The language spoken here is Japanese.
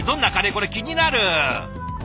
これ気になる！